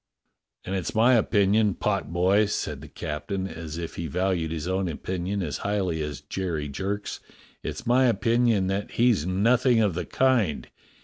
"And it's my opinion, potboy," said the captain, as if he valued his own opinion as highly as Jerry Jerk's, "it's my opinion that he's nothing of the kind.